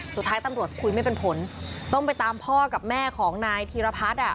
สุดท้ายตำรวจคุยไม่เป็นผลต้องไปตามพ่อกับแม่ของนายธีรพัฒน์